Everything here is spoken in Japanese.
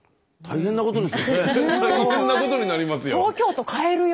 ほんとに大変なことになりますよ。